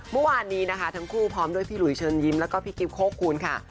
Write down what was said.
เมื่อวานนี้นะคะทั้งคู่พร้อมด้วยพี่หลุยเชิญยิ้มแล้วก็พี่กิ๊บโคคูณค่ะ